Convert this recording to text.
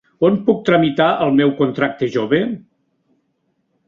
On puc tramitar el meu contracte jove?